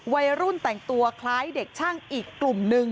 วัยรุ่นแต่งตัวคล้ายเด็กช่างอีกกลุ่มนึง